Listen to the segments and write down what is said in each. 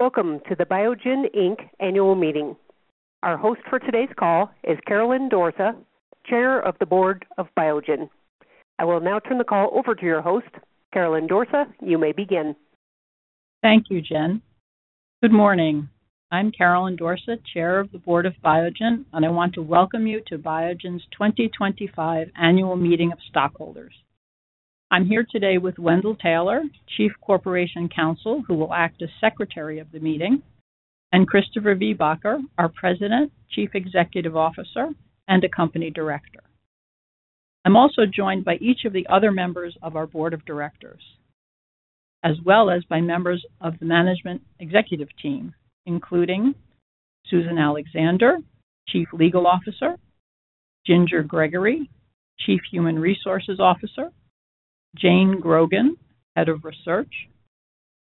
Welcome to the Biogen annual meeting. Our host for today's call is Caroline Dorsa, Chair of the Board of Biogen. I will now turn the call over to your host, Carolyn Dorsa. You may begin. Thank you, Jen. Good morning. I'm Caroline Dorsa, Chair of the Board of Biogen, and I want to welcome you to Biogen's 2025 annual meeting of stockholders. I'm here today with Wendell Taylor, Chief Corporate Counsel, who will act as Secretary of the Meeting, and Christopher Viehbacher, our President, Chief Executive Officer, and a Company Director. I'm also joined by each of the other members of our Board of Directors, as well as by members of the Management Executive Team, including Susan Alexander, Chief Legal Officer, Ginger Gregory, Chief Human Resources Officer, Jane Grogan, Head of Research,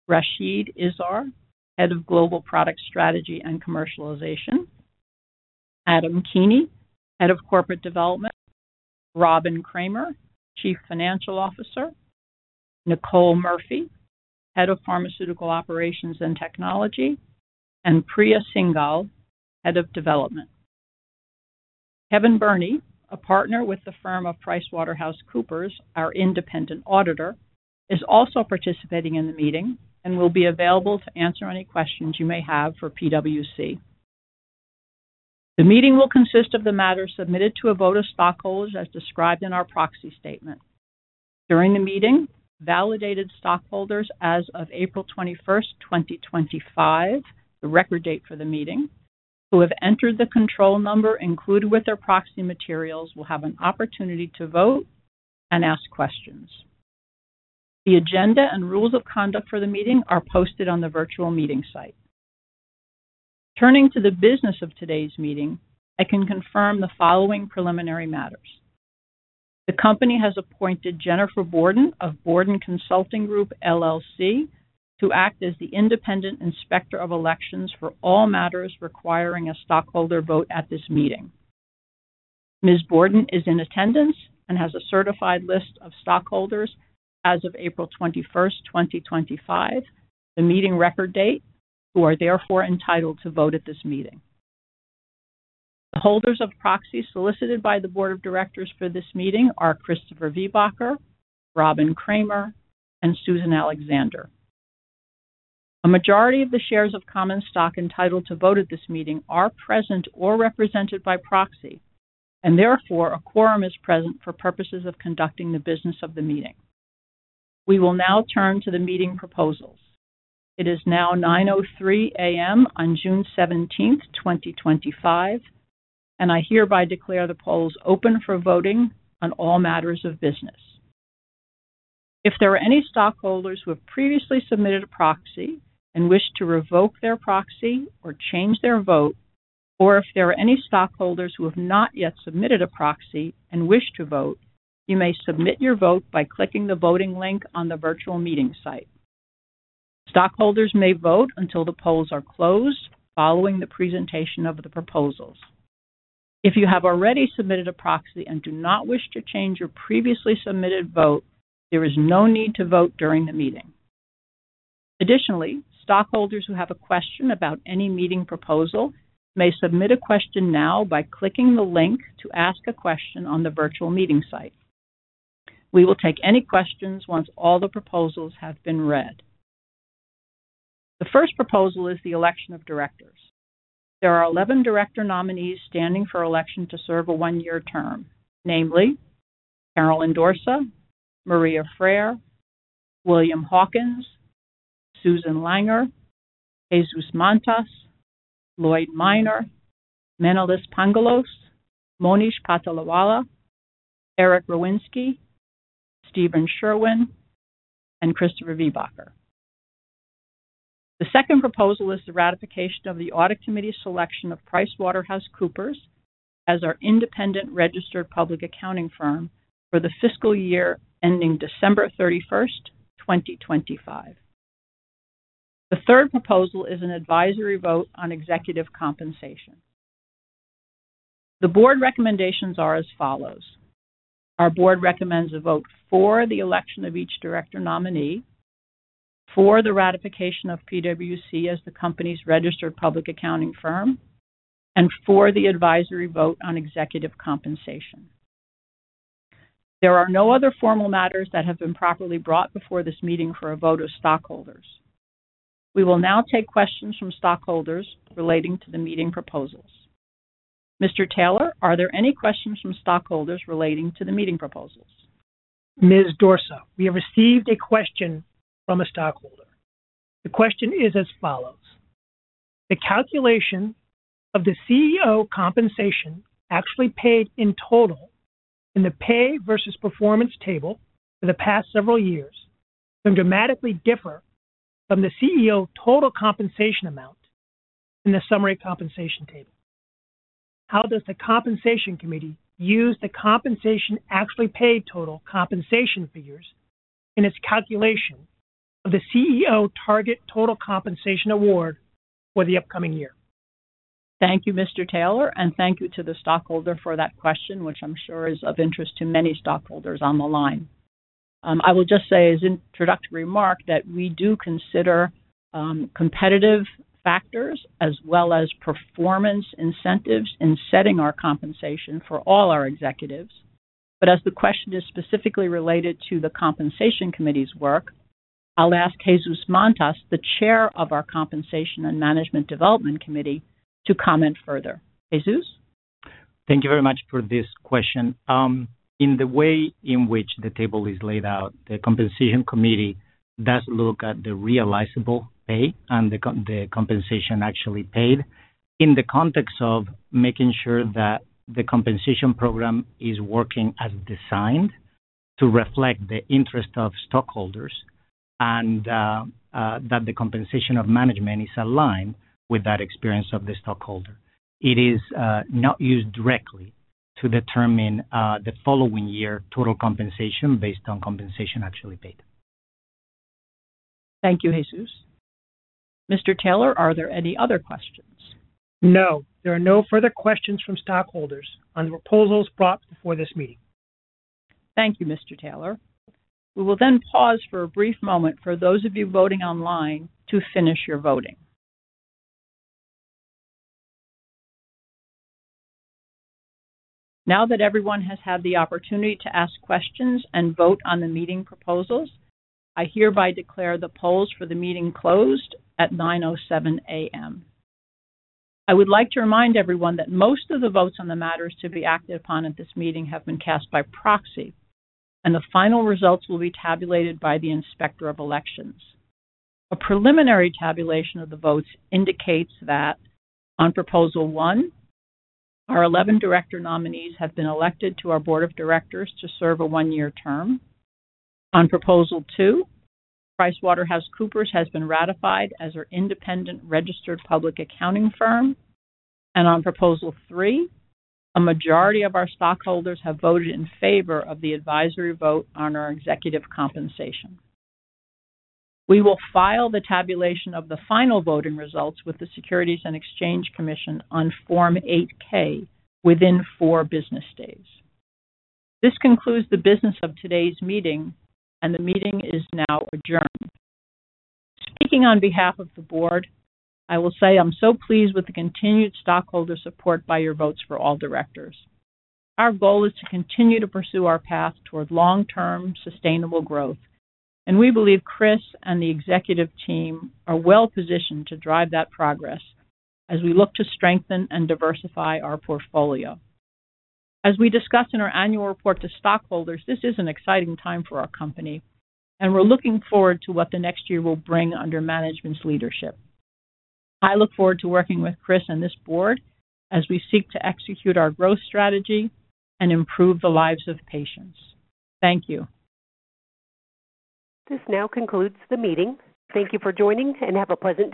Rachid Izzar, Head of Global Product Strategy and Commercialization, Adam Keeney, Head of Corporate Development, Robin Kramer, Chief Financial Officer, Nicole Murphy, Head of Pharmaceutical Operations and Technology, and Priya Singhal, Head of Development. Kevin Burney, a partner with the firm of PricewaterhouseCoopers, our independent auditor, is also participating in the meeting and will be available to answer any questions you may have for PwC. The meeting will consist of the matters submitted to a vote of stockholders as described in our proxy statement. During the meeting, validated stockholders as of April 21st, 2025, the record date for the meeting, who have entered the control number included with their proxy materials, will have an opportunity to vote and ask questions. The agenda and rules of conduct for the meeting are posted on the virtual meeting site. Turning to the business of today's meeting, I can confirm the following preliminary matters. The company has appointed Jennifer Borden of Borden Consulting Group LLC to act as the independent inspector of elections for all matters requiring a stockholder vote at this meeting. Ms. Borden is in attendance and has a certified list of stockholders as of April 21st, 2025, the meeting record date, who are therefore entitled to vote at this meeting. The holders of proxy solicited by the Board of Directors for this meeting are Christopher Viehbacher, Robin Kramer, and Susan Alexander. A majority of the shares of common stock entitled to vote at this meeting are present or represented by proxy, and therefore a quorum is present for purposes of conducting the business of the meeting. We will now turn to the meeting proposals. It is now 9:03 A.M. on June 17th, 2025, and I hereby declare the polls open for voting on all matters of business. If there are any stockholders who have previously submitted a proxy and wish to revoke their proxy or change their vote, or if there are any stockholders who have not yet submitted a proxy and wish to vote, you may submit your vote by clicking the voting link on the virtual meeting site. Stockholders may vote until the polls are closed following the presentation of the proposals. If you have already submitted a proxy and do not wish to change your previously submitted vote, there is no need to vote during the meeting. Additionally, stockholders who have a question about any meeting proposal may submit a question now by clicking the link to ask a question on the virtual meeting site. We will take any questions once all the proposals have been read. The first proposal is the election of directors. There are 11 director nominees standing for election to serve a one-year term, namely Caroline Dorsa, Maria Freire, William Hawkins, Susan Langer, Jesus Mantas, Lloyd Minor, Menelas Pangalos, Monish Patolawala, Eric Rowinsky, Stephen Sherwin, and Christopher Viehbacher. The second proposal is the ratification of the Audit Committee's selection of PricewaterhouseCoopers as our independent registered public accounting firm for the fiscal year ending December 31st, 2025. The third proposal is an advisory vote on executive compensation. The Board recommendations are as follows. Our Board recommends a vote for the election of each director nominee, for the ratification of PwC as the Company's registered public accounting firm, and for the advisory vote on executive compensation. There are no other formal matters that have been properly brought before this meeting for a vote of stockholders. We will now take questions from stockholders relating to the meeting proposals. Mr. Taylor, are there any questions from stockholders relating to the meeting proposals? Ms. Dorsa, we have received a question from a stockholder. The question is as follows. The calculation of the CEO compensation actually paid in total in the pay versus performance table for the past several years can dramatically differ from the CEO total compensation amount in the summary compensation table. How does the Compensation Committee use the compensation actually paid total compensation figures in its calculation of the CEO target total compensation award for the upcoming year? Thank you, Mr. Taylor, and thank you to the stockholder for that question, which I'm sure is of interest to many stockholders on the line. I will just say as an introductory remark that we do consider competitive factors as well as performance incentives in setting our compensation for all our executives. As the question is specifically related to the Compensation Committee's work, I'll ask Jesus Mantas, the Chair of our Compensation and Management Development Committee, to comment further. Jesus? Thank you very much for this question. In the way in which the table is laid out, the Compensation Committee does look at the realizable pay and the compensation actually paid in the context of making sure that the compensation program is working as designed to reflect the interest of stockholders and that the compensation of management is aligned with that experience of the stockholder. It is not used directly to determine the following year total compensation based on compensation actually paid. Thank you, Jesus. Mr. Taylor, are there any other questions? No, there are no further questions from stockholders on the proposals brought before this meeting. Thank you, Mr. Taylor. We will then pause for a brief moment for those of you voting online to finish your voting. Now that everyone has had the opportunity to ask questions and vote on the meeting proposals, I hereby declare the polls for the meeting closed at 9:07 A.M. I would like to remind everyone that most of the votes on the matters to be acted upon at this meeting have been cast by proxy, and the final results will be tabulated by the Inspector of Elections. A preliminary tabulation of the votes indicates that on Proposal One, our 11 director nominees have been elected to our Board of Directors to serve a one-year term. On Proposal Two, PricewaterhouseCoopers has been ratified as our independent registered public accounting firm. On Proposal Three, a majority of our stockholders have voted in favor of the advisory vote on our executive compensation. We will file the tabulation of the final voting results with the Securities and Exchange Commission on Form 8-K within four business days. This concludes the business of today's meeting, and the meeting is now adjourned. Speaking on behalf of the Board, I will say I'm so pleased with the continued stockholder support by your votes for all directors. Our goal is to continue to pursue our path toward long-term sustainable growth, and we believe Chris and the executive team are well positioned to drive that progress as we look to strengthen and diversify our portfolio. As we discuss in our annual report to stockholders, this is an exciting time for our company, and we're looking forward to what the next year will bring under management's leadership. I look forward to working with Chris and this Board as we seek to execute our growth strategy and improve the lives of patients. Thank you. This now concludes the meeting. Thank you for joining, and have a pleasant day.